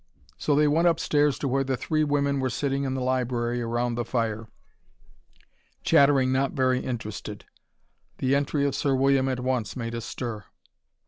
So they went upstairs to where the three women were sitting in the library round the fire, chattering not very interested. The entry of Sir William at once made a stir.